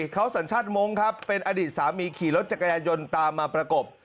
เขาสัญชาติมงค์ครับเป็นอดีตสามีขี่รถจักรยายนต์ตามมาประกบ